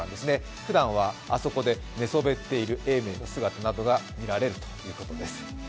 ふだんはあそこで寝そべっている永明の姿などが見られるということです。